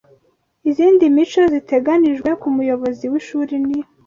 Izindi mico ziteganijwe kumuyobozi wishuri ni